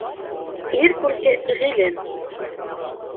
Ир күрке ғилем.